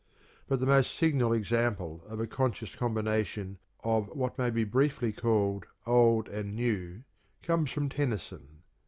But the most signal example of a conscious combination of what may be briefly called "old and new" comes from Tennyson.